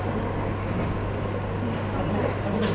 ตอนนี้กำลังไปดูกัน